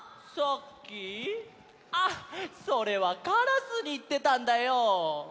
あっそれはカラスにいってたんだよ。